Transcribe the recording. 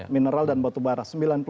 mineral dan batubara